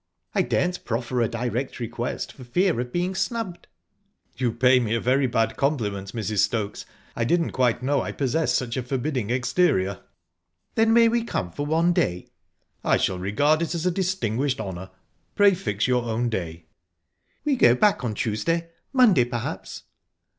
I daren't proffer a direct request, for fear of being snubbed." "You pay me a very bad compliment, Mrs. Stokes; I didn't' know I possessed such a forbidding exterior." "Then, may we come for one day?" "I shall regard it as a distinguished honour. Pray fix your own day." "We go back on Tuesday. Monday perhaps...?"